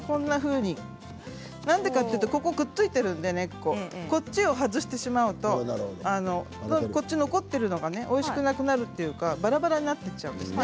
なぜかというと根っこがくっついているので根っこを外してしまうと残っているのがおいしくなくなるというかばらばらになってしまうんですね。